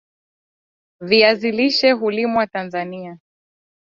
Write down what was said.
Viazi lishe hulimwa Tanzania